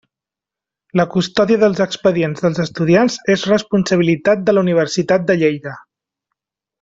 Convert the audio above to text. La custòdia dels expedients dels estudiants és responsabilitat de la Universitat de Lleida.